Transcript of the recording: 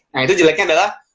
nah itu jeleknya adalah